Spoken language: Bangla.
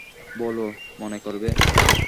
বলো, মনে করবে?